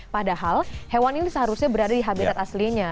padahal hewan ini seharusnya berada di habitat aslinya